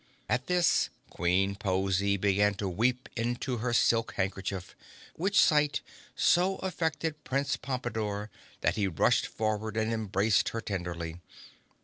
At this Queen Pozy began to weep into her silk handkerchief, which sight so affected Prince Pompadore that he rushed forward and embraced her tenderly.